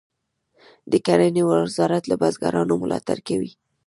د کرنې وزارت له بزګرانو ملاتړ کوي